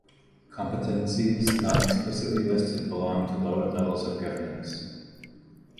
Competences not explicitly listed belong to lower levels of governance.